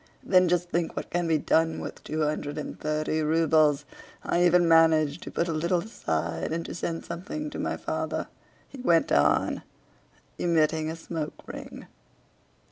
Then just think what can be done with two hundred and thirty rubles! I even manage to put a little aside and to send something to my father," he went on, emitting a smoke ring.